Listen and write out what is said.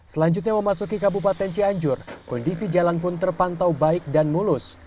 selanjutnya memasuki kabupaten cianjur kondisi jalan pun terpantau baik dan mulus